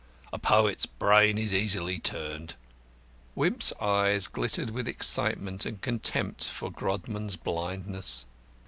A poet's brain is easily turned." Wimp's eye glittered with excitement and contempt for Grodman's blindness.